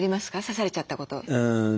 刺されちゃったこと。